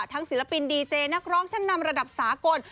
ศิลปินดีเจนักร้องชั้นนำระดับสากล